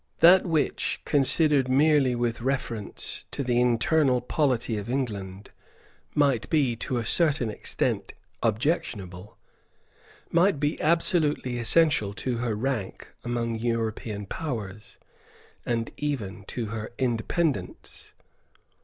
That which, considered merely with reference to the internal polity of England, might be, to a certain extent, objectionable, might be absolutely essential to her rank among European Powers, and even to her independence.